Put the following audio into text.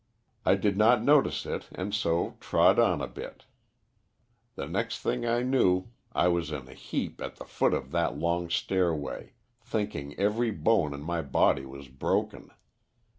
I did not notice it, and so trod on a bit. The next thing I knew I was in a heap at the foot of that long stairway, thinking every bone in my body was broken.